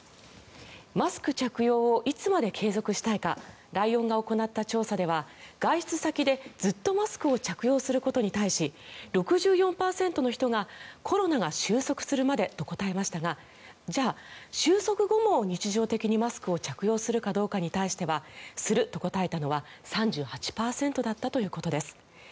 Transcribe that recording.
マスク着用をいつまで継続したいかライオンが行った調査では外出先でずっとマスクを着用することに対し６４％の人がコロナが収束するまでと答えましたがじゃあ収束後も日常的にマスクを着用するかどうかに対してはすると答えたのは３８％だったということです。